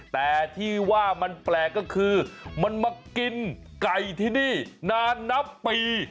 แต่ที่ว่ามันแปลกก็คือมันมากินไก่ที่นี่นานนับปี